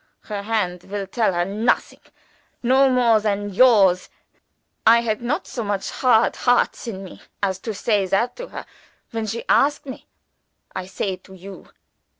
"Her hand will tell her nothing no more than yours. I had not so much hard hearts in me as to say that to her, when she asked me. I say it to _you.